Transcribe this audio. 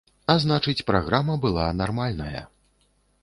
А значыць праграма была нармальная.